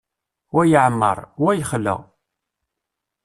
Wa yeεmer, wa yexla.